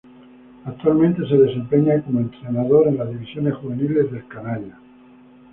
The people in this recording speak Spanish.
Actualmente se desempeña como entrenador en las divisiones juveniles del "canalla".